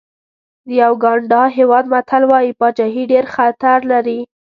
د یوګانډا هېواد متل وایي پاچاهي ډېر خطر لري.